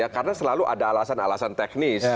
karena selalu ada alasan alasan teknis